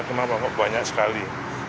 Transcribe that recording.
kenapa banyak sekali